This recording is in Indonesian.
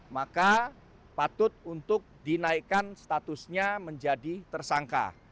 maka patut untuk dinaikkan statusnya menjadi tersangka